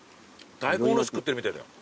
大根おろし食ってるみたいだよ。